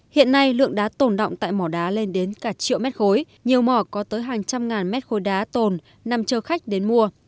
hiện nay lượng đá tồn động tại mỏ đá lên đến cả triệu mét khối nhiều mỏ có tới hàng trăm ngàn mét khối đá tồn nằm chờ khách đến mua